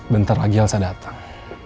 bentar lagi alsa datang